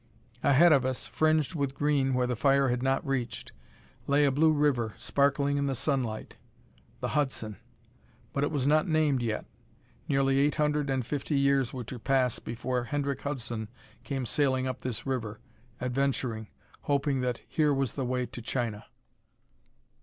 Ahead of us, fringed with green where the fire had not reached, lay a blue river, sparkling in the sunlight. The Hudson! But it was not named yet; nearly eight hundred and fifty years were to pass before Hendrick Hudson came sailing up this river, adventuring, hoping that here was the way to China.